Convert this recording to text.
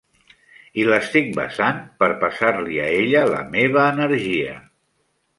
I l'estic besant per passar-li a ella la meva energia.